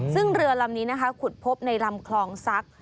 ซึ่งเรือลำนี้นะคะขุดพบในลำคลองซัก